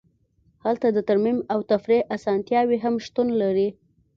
هلته د ترمیم او تفریح اسانتیاوې هم شتون لري